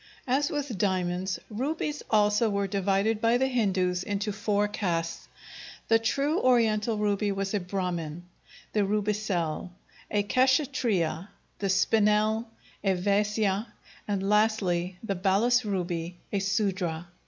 As with diamonds, rubies also were divided by the Hindus into four castes. The true Oriental ruby was a Brahmin; the rubicelle, a Kshatriya; the spinel, a Vaisya, and lastly, the balas ruby, a Sudra.